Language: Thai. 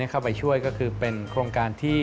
เข้าไปช่วยก็คือเป็นโครงการที่